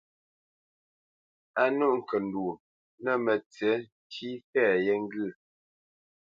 A nûʼ ŋkəndwô nə̂ mətsiʼ ntî fɛ̌ yé ŋgyə̂.